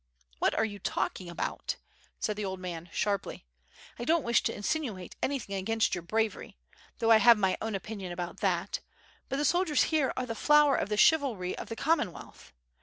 "What are you talking about?" said the old man sharply. "I don't wish to insinuate anything against your bravery, though I have my own opinion about that, but the soldiers here are the flower of the chivalry of the Commonwealth.